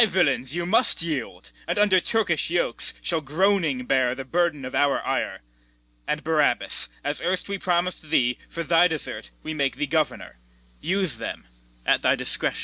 Ay, villains, you must yield, and under Turkish yokes Shall groaning bear the burden of our ire: And, Barabas, as erst we promis'd thee, For thy desert we make thee governor; Use them at thy discretion.